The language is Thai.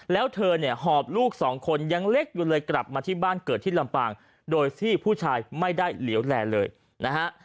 แล้วเธอเนี่ยหอบลูกสองคนยังเล็กอยู่เลยกลับมาที่บ้านเกิดที่ลำปางโดยที่ผู้ชายไม่ได้เหลวแลเลยนะฮะ